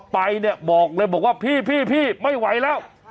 ไปเนี่ยบอกเลยบอกว่าพี่ไม่ไหวแล้ว